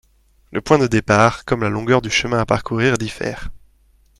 Le point de départ, comme la longueur du chemin à parcourir diffèrent.